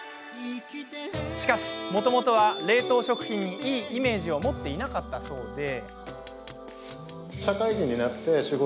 しかし、もともとは冷凍食品にいいイメージを持っていなかったそうで。